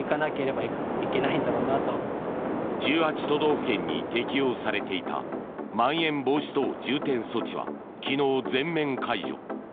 都道府県に適用されていたまん延防止等重点措置は昨日、全面解除。